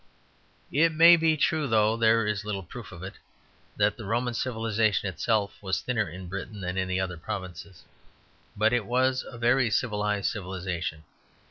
It may be true, though there is little proof of it, that the Roman civilization itself was thinner in Britain than in the other provinces; but it was a very civilized civilization.